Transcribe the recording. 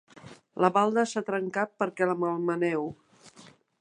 La balda s'ha trencat perquè la malmeneu.